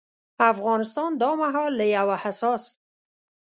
افغانستان دا مهال له يو حساس